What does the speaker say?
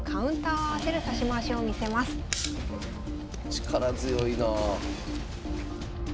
力強いなあ。